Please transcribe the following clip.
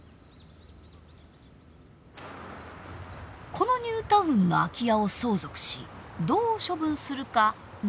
このニュータウンの空き家を相続しどう処分するか悩んでいる人がいました。